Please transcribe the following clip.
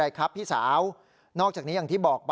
มีรถเก๋งแดงคุณผู้ชมไปดูคลิปกันเองนะฮะ